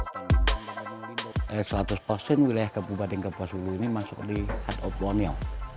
tahun lalu danang sentarum ini kawasan ini mendapatkan sertifikasi atau istilahnya pengakuan dari unesco sebagai cagar biosfir